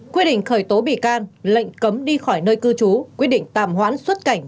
quyết định khởi tố bị can lệnh cấm đi khỏi nơi cư trú quyết định tạm hoãn xuất cảnh